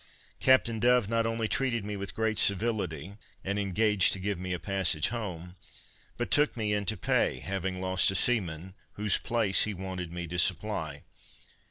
Captain Dove not only treated me with great civility, and engaged to give me a passage home, but took me into pay, having lost a seaman, whose place he wanted me to supply.